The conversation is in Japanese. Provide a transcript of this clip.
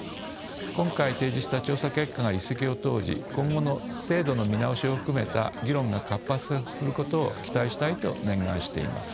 今回提示した調査結果が一石を投じ今後の制度の見直しを含めた議論が活発化することを期待したいと念願しています。